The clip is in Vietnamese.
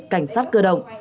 cảnh sát cơ động